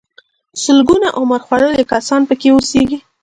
سلګونه عمر خوړلي کسان پکې اوسيږي.